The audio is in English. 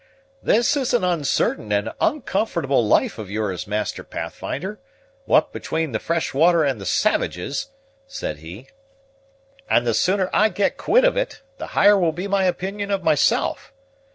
"This is an uncertain and uncomfortable life of yours, Master Pathfinder, what between the fresh water and the savages," said he; "and the sooner I get quit of it, the higher will be my opinion of myself.